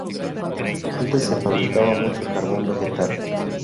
Antes se fabricaba mucho carbón vegetal.